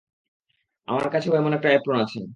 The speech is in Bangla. আমার কাছেও এমন একটা এপ্রোন আছে।